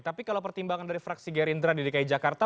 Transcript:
tapi kalau pertimbangan dari fraksi gerindra di dki jakarta